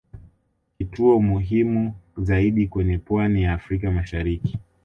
Kituo muhimu zaidi kwenye pwani ya Afrika mashariki